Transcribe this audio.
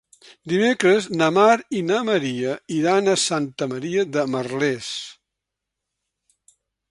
Dimecres na Mar i na Maria iran a Santa Maria de Merlès.